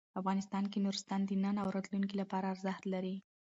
افغانستان کې نورستان د نن او راتلونکي لپاره ارزښت لري.